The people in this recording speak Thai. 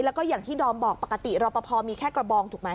แล้วก็อย่างที่ดอมบอกปกติรอปภมีแค่กระบองถูกไหม